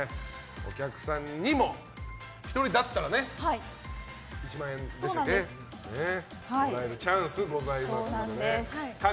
お客さんにも１人だったら１万円もらえるチャンスございますので。